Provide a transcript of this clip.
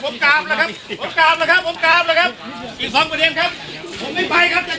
ผมกราบแล้วครับผมกราบแล้วครับผมกราบแล้วครับ